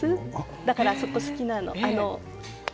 だからそこ好きなの。